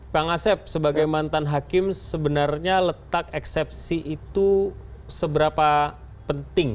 kang asep sebagai mantan hakim sebenarnya letak eksepsi itu seberapa penting